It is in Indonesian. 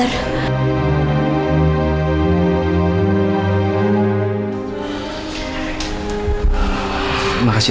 aku mau berhenti